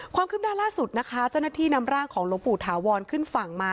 ความคึ้มด้านล่าสุดนะคะจนที่นำร่างของลงปู่ถาวรขึ้นฝั่งมา